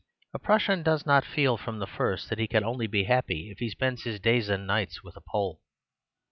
A Prussian does not feel from the first that he can only be happy if he spends his days and nights with a Pole.